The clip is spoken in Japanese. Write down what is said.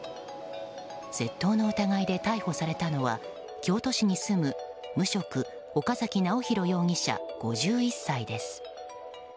窃盗の疑いで逮捕されたのは京都市に住む無職、岡崎尚弘容疑者５１歳です。